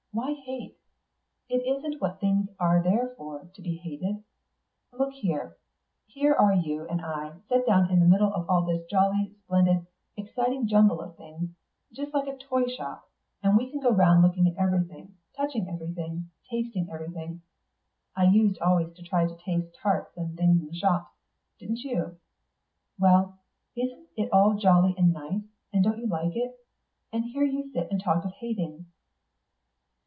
Why hate? It isn't what things are there for, to be hated. Look here. Here are you and I set down in the middle of all this jolly, splendid, exciting jumble of things, just like a toy shop, and we can go round looking at everything, touching everything, tasting everything (I used always to try to taste tarts and things in shops, didn't you?) Well isn't it all jolly and nice, and don't you like it? And here you sit and talk of hating!"